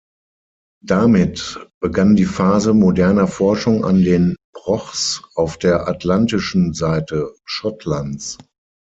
Damit begann die Phase moderner Forschung an den Brochs auf der atlantischen Seite Schottlands.